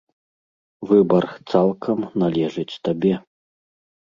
Выбар цалкам належыць табе.